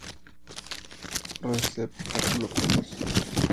Receptáculo peloso.